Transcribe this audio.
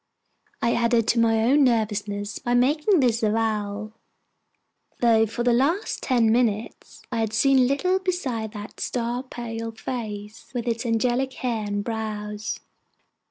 I added to my own nervousness by making this avowal; though for the last ten minutes I had seen little besides that star pale face with its angelic hair and brows.